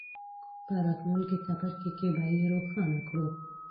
په راتلونکي څپرکي کې به یې روښانه کړو.